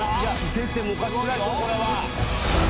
出てもおかしくないぞこれは。